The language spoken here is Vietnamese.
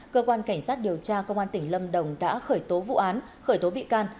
cơ quan cảnh sát điều tra công an tỉnh lâm đồng đã khởi tố vụ án khởi tố bị can